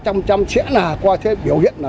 trăm trăm sẽ là qua thế biểu hiện là